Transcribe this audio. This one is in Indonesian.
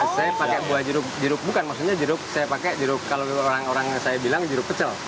saya pakai buah jeruk jeruk bukan maksudnya jeruk saya pakai jeruk kalau orang orang saya bilang jeruk pecel